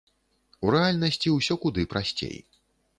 У рэальнасці ўсё куды прасцей.